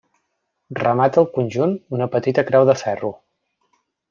Remata el conjunt una petita creu de ferro.